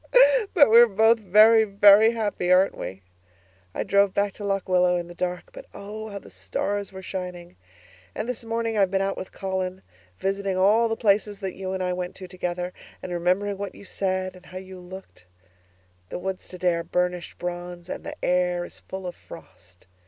But we're both very, very happy, aren't we? I drove back to Lock Willow in the dark but oh, how the stars were shining! And this morning I've been out with Colin visiting all the places that you and I went to together, and remembering what you said and how you looked. The woods today are burnished bronze and the air is full of frost.